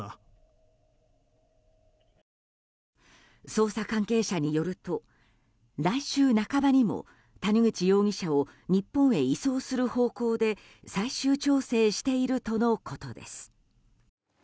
捜査関係者によると来週半ばにも谷口容疑者を日本へ移送する方向で最終調整しているとのことです。